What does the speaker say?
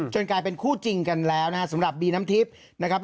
กลายเป็นคู่จริงกันแล้วนะครับสำหรับบีน้ำทิพย์นะครับ